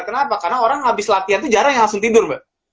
kenapa karena orang habis latihan itu jarang yang langsung tidur mbak